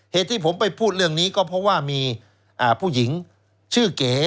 เหตุที่ผมไปพูดเรื่องนี้ก็เพราะว่ามีผู้หญิงชื่อเก๋